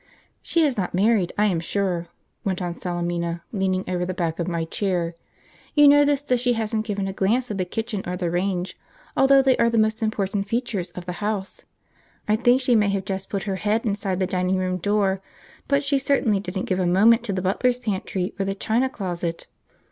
"She is not married, I am sure," went on Salemina, leaning over the back of my chair. "You notice that she hasn't given a glance at the kitchen or the range, although they are the most important features of the house. I think she may have just put her head inside the dining room door, but she certainly didn't give a moment to the butler's pantry or the china closet.